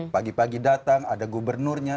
pagi pagi datang ada gubernurnya